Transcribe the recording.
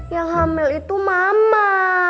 yang hamil itu mama